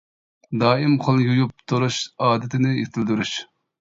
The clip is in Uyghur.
دائىم قول يۇيۇپ تۇرۇش ئادىتىنى يېتىلدۈرۈش.